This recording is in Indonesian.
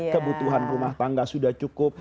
kebutuhan rumah tangga sudah cukup